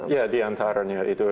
ya diantaranya itu